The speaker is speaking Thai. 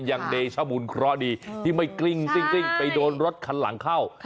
ยังเดชมูลเคราะห์ดีที่มันกริ่งไปโดนรถคันหลังเข้า